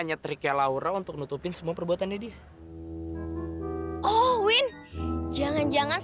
gak enak banget makanannya